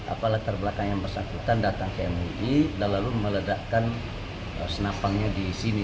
apa latar belakang yang bersangkutan datang ke mui dan lalu meledakkan senapangnya di sini